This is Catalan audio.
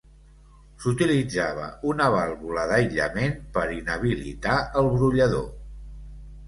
S'utilitzava una vàlvula d'aïllament per inhabilitar el brollador.